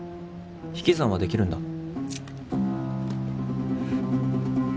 引き算はできるんだ。